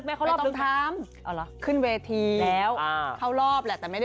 แต่ว่าฝั่งแกเล่นถึงอีกคำก็อีกคำ